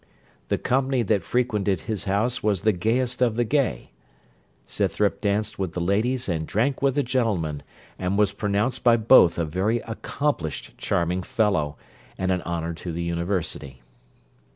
The company that frequented his house was the gayest of the gay. Scythrop danced with the ladies and drank with the gentlemen, and was pronounced by both a very accomplished charming fellow, and an honour to the university.